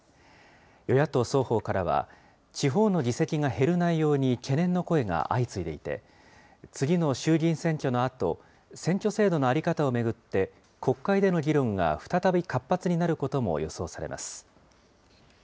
与野党双方からは、地方の議席が減る内容に懸念の声が相次いでいて、次の衆議院選挙のあと、選挙制度の在り方を巡って、国会での議論が再び活発になることも予想されます。